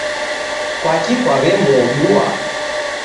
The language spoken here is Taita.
Kwaki kwawemuobua